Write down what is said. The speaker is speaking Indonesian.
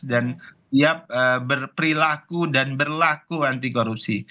ia berperilaku dan berlaku anti korupsi